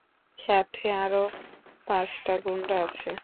সাথে আরো পাঁচটা গুন্ডা আছে।